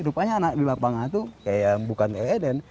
rupanya anak di lapangan itu ya bukan tnn